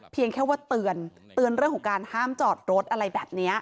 เพียงแค่ว่าเตือนเรื่องของการห้ามจอดรถอะไรแบบนี้